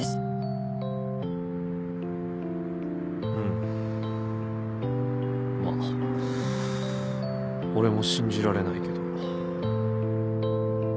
うんまあ俺も信じられないけど。